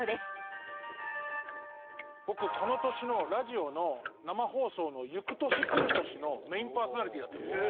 僕この年のラジオの生放送の『ゆく年くる年』のメインパーソナリティーだったんです。